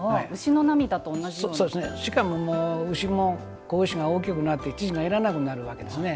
しかも、牛も子牛が大きくなって乳がいらなくなるわけですね。